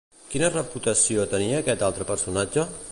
Quina reputació tenia aquest altre personatge?